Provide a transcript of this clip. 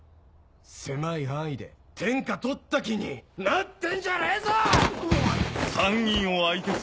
狭い範囲で天下取った気になってんじゃねえぞ！